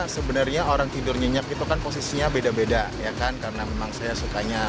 sebenarnya orang tidur nyenyak itu kan posisinya beda beda ya kan karena memang saya sukanya